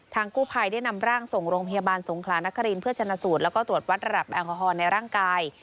กู้ภัยได้นำร่างส่งโรงพยาบาลสงขลานครินเพื่อชนะสูตรแล้วก็ตรวจวัดระดับแอลกอฮอลในร่างกาย